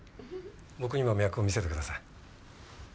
僕にも脈を診せてください。